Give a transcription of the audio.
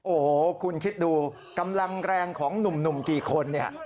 โอ้โหคุณคิดดูกำลังแรงของหนุ่มกี่คนเนี่ย